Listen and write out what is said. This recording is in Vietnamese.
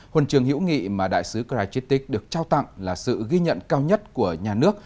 hun trường hữu nghị mà đại sứ grajitic được trao tặng là sự ghi nhận cao nhất của nhà nước